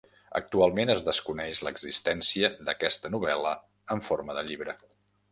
Actualment es desconeix l'existència d'aquesta novel·la en forma de llibre.